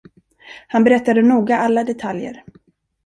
Han berättade noga alla detaljer.